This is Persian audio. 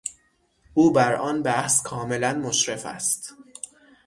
او بر آن بحث کاملا مشرف است